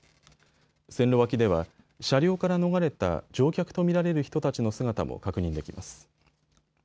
線路脇では車両から逃れた乗客と見られる人たちの姿も確認できます。